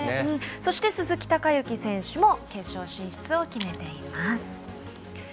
そして、鈴木孝幸選手も決勝進出を決めています。